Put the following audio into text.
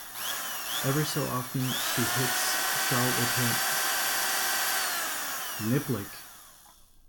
Every so often she hits Shaw with her niblick.